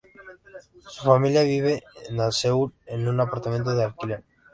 Su familia vivía en Seúl, en un apartamento de alquiler.